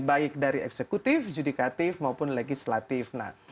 baik dari eksekutif judikatif maupun legislatif